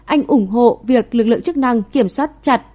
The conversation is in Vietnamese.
anh ủng hộ việc lực lượng chức năng kiểm soát chặt